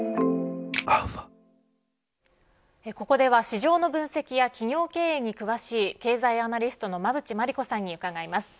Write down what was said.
ここでは市場の分析や企業経営に詳しい経済アナリストの馬渕磨理子さんに伺います。